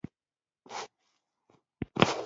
دا ډله د جبهې شا ته ایدیالوژیکي ملاتړ برابروي